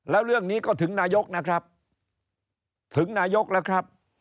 แล้วเรื่องนี้ก็ถึงนายกนะครับถึงนายกแล้วครับ